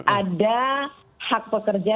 ada hak pekerja